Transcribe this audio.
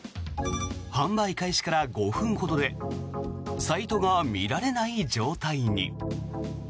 販売開始から５分ほどでサイトが見られない状態に。